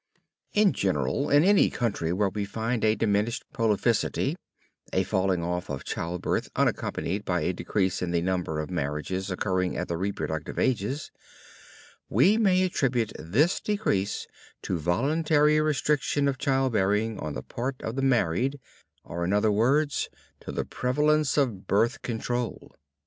In general, in any country where we find a diminished prolificity a falling off of childbirth unaccompanied by a decrease in the number of marriages occurring at the reproductive ages, we may attribute this decrease to voluntary restriction of childbearing on the part of the married, or in other words, to the prevalence of "birth control."